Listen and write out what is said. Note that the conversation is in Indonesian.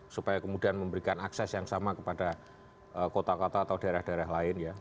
supaya kemudian memberikan akses yang sama kepada kota kota atau daerah daerah lain ya